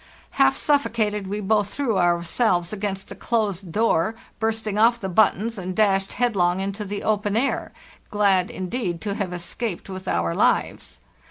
Half suffocated, we both threw ourselves against the closed door, bursting off the buttons, and dashed headlong into the open air—glad, indeed, to have escaped with our lives.